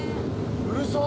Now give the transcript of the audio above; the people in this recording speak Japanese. うるさっ！